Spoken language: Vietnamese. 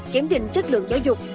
kiểm định chất lượng giáo dục